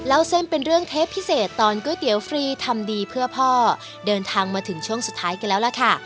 เล่าเส้นเป็นเรื่องเทปพิเศษตอนก๋วยเตี๋ยวฟรีทำดีเพื่อพ่อเดินทางมาถึงช่วงสุดท้ายกันแล้วล่ะค่ะ